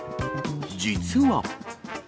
実は。